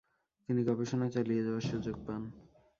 তিনি গবেষণা চালিয়ে যাওয়ার সুযোগ পান।